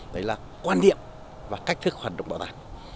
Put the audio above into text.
đấy là quan điểm và cách thức hoạt động bảo tàng